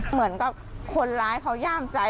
เหมือนกับคนร้ายเขาย่ามใจ